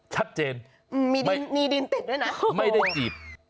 ชัดเจนมีดินมีดินติดด้วยนะไม่ได้จีบ